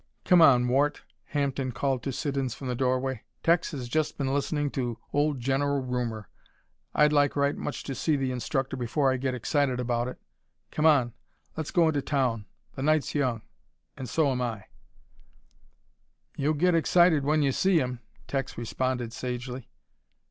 "Come on, Wart," Hampden called to Siddons from the doorway. "Tex has just been listening to old General Rumor. I'd like right much to see this instructor before I get excited about it. Come on, let's go into town. The night's young and so am I." "You'll get excited when you see him," Tex responded, sagely.